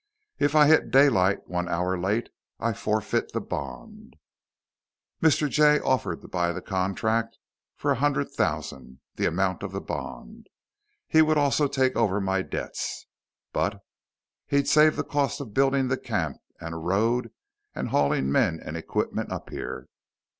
If I hit daylight one hour late, I forfeit the bond. "Mr. Jay offered to buy the contract for a hundred thousand, the amount of the bond. He would also take over my debts, but he'd save the cost of building the camp and a road and hauling men and equipment up here."